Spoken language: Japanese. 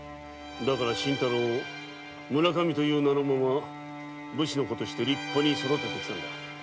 だから新太郎を村上という名のまま武士の子として立派に育ててきたのだ。